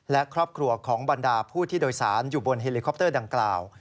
และครอบครัวของบรรดาผู้ที่โดยสารอยู่บนเฮลิคอปเตอร์ดังกล่าว